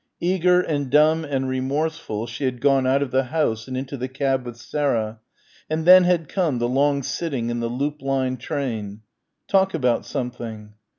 Eager and dumb and remorseful she had gone out of the house and into the cab with Sarah, and then had come the long sitting in the loop line train ... "talk about something"